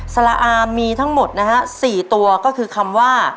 ละอามีทั้งหมดนะฮะ๔ตัวก็คือคำว่า